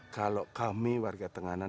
kalau kami warga tenganan